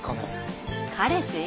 彼氏？